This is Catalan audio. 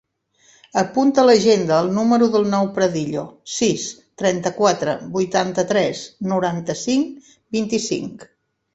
Apunta a l'agenda el número del Nouh Pradillo: sis, trenta-quatre, vuitanta-tres, noranta-cinc, vint-i-cinc.